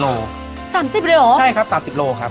โล๓๐เลยเหรอใช่ครับ๓๐โลครับ